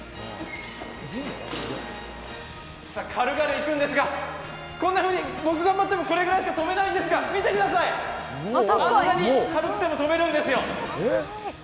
軽々いくんですが、こんなふうに僕がまってもこのぐらいしか跳べないんですが見てください、軽くても跳べるんですよ。